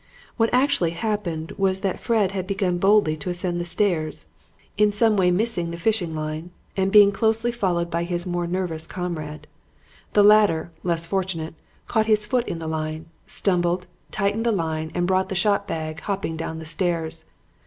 What actually happened was that Fred had begun boldly to ascend the stairs, in some way missing the fishing line, and being closely followed by his more nervous comrade. The latter, less fortunate, caught his foot in the line, stumbled, tightened the line and brought the shot bag hopping down the stairs.